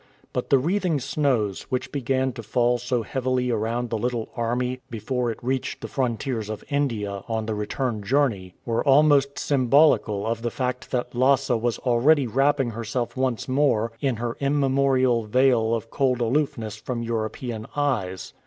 But the wreathing snows, which began to fall so heavily around the little army before it reached the frontiers of India on the return journey, were almost symbolical of the fact that Lhasa was already wrapping herself once more in her immemorial veil of cold aloof ness from European eyes.